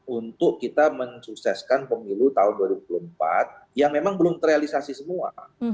untuk kita mensukseskan pemilu tahun dua ribu empat yang memang belum terrealisasi semua